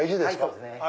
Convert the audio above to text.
そうですね。